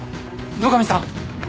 ・野上さん！